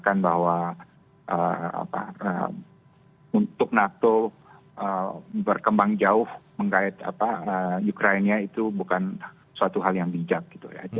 kalau saya lihat di amerika sendiri untuk nato berkembang jauh mengait ukraina itu bukan suatu hal yang bijak gitu ya